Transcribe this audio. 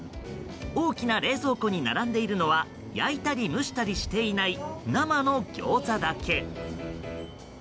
大きな冷蔵庫に並んでいるのは焼いたり蒸したりしていない生のギョーザだけ。